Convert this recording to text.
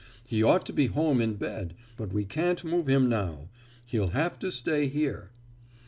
"He ought to be home in bed, but we can't move him now. He'll have to stay here."